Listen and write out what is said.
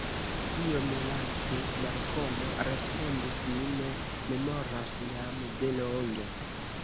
Iom lace Malkomo respondis: Mi ne memoras; jam de longe.